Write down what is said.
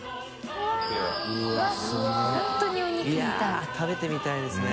いや食べてみたいですね